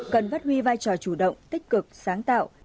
cần phát huy vai trò chủ động tích cực sáng tạo